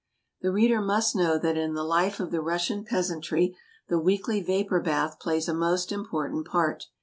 The reader must know that in the life of the Russian peasantry the weekly vapor bath plays a most important part.